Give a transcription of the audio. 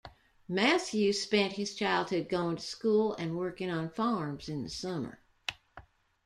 Matthew spent his childhood going to school and working on farms in the summer.